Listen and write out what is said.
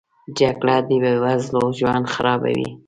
جګړه د بې وزلو ژوند خرابوي